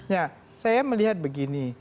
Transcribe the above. ya saya melihat begini